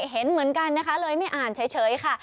เห็นเหมือนกันนะคะเลยไม่อ่านเฉยค่ะ